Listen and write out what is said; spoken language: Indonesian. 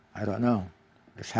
saya bilang tidak tahu